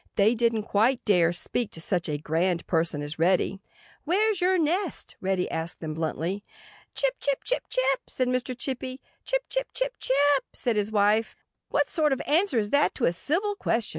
They didn't quite dare speak to such a grand person as Reddy. "Where's your nest?" Reddy asked them bluntly. "Chip, chip, chip, chip!" said Mr. Chippy. "Chip, chip, chip, chip!" said his wife. "What sort of answer is that to a civil question?"